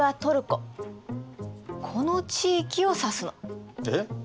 この地域を指すの。え？